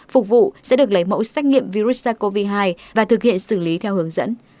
phục vụ sẽ được lấy mẫu xét nghiệm virus sars cov hai và thực hiện xử lý theo hướng dẫn